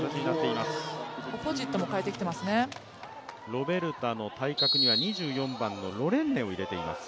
ロベルタの対角には２４番のロレンネを入れてきています。